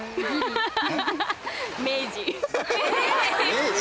明治。